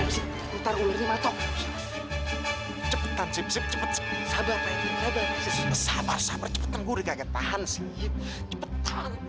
sampai jumpa di video selanjutnya